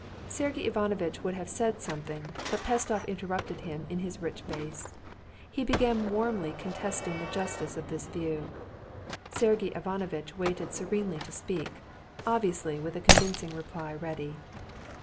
Sergey Ivanovitch would have said something, but Pestsov interrupted him in his rich bass. He began warmly contesting the justice of this view. Sergey Ivanovitch waited serenely to speak, obviously with a convincing reply ready.